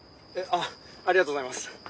ありがとうございます。